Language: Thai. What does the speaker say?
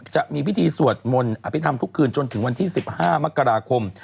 จะมีพิธีสวดมนต์อภิษฐรรมทุกคืนจนถึงวันที่๑๕มกราคม